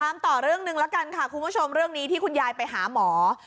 พักต่อเรื่องนึงละกันครับคุณผู้ชมเรื่องนี้ที่คุณยายไปหาหมา